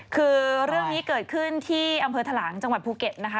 คือเรื่องนี้เกิดขึ้นที่อำเภอถลางจังหวัดภูเก็ตนะคะ